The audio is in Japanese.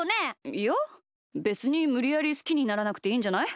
いやべつにむりやりすきにならなくていいんじゃない？